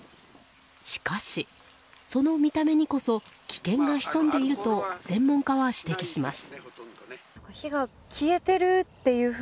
しかし、この見た目にこそ危険が潜んでいると専門家は指摘します。